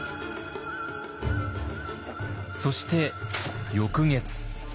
そして翌月。